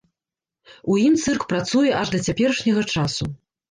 У ім цырк працуе аж да цяперашняга часу.